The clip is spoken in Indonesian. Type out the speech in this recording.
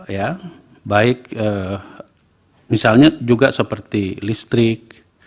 ya baik misalnya juga seperti listrik